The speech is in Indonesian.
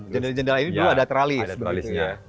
jendela jendela ini dulu ada tralisnya